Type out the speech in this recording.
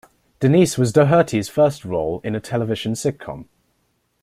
Denise was Doherty's first role in a television sitcom.